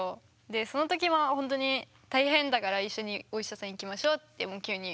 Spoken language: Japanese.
でその時はほんとに大変だから一緒にお医者さん行きましょうってもう急に。